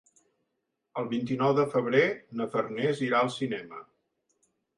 El vint-i-nou de febrer na Farners irà al cinema.